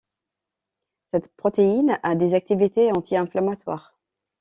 Cette protéine a des activités anti-inflammatoires.